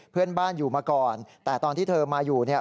เพื่อนบ้านอยู่มาก่อนแต่ตอนที่เธอมาอยู่เนี่ย